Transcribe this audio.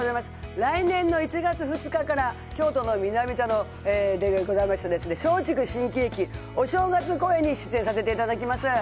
来年の１月２日から、京都の南座で行われました松竹新喜劇、お正月公演に出演させていただきます。